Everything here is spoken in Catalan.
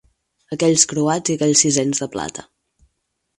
Aquells croats i aquells sisens de plata